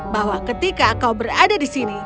bahwa ketika kau berada di sini